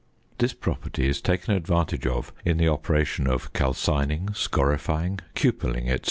This property is taken advantage of in the operation of calcining, scorifying, cupelling, &c.